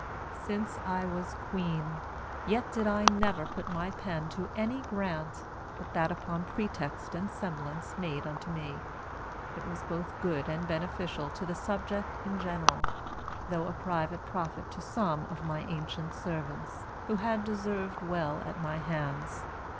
Since I was Queen, yet did I never put my pen to any grant, but that upon pretext and semblance made unto me, it was both good and beneficial to the subject in general though a private profit to some of my ancient servants, who had deserved well at my hands.